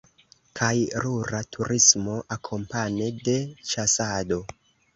Kaj rura turismo akompane de ĉasado.